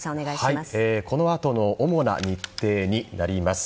このあとの主な日程になります。